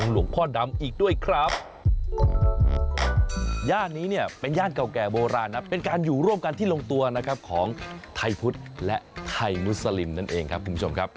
และไทยมุสลิมนั่นเองครับคุณผู้ชมครับ